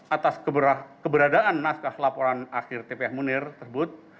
atas keberadaan naskah laporan akhir tpf munir tersebut